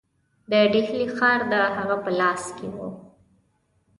د ډهلي ښار د هغه په لاس کې وو.